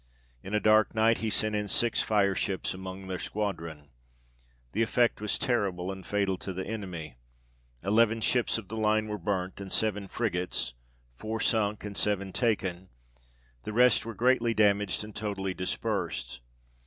In a dark night, he sent in six fire ships among their squadron. The effect was terrible, and fatal to the enemy ; eleven ships of the line were burnt, and seven frigates, four sunk, and seven taken : the rest were greatly damaged and totally dispersed.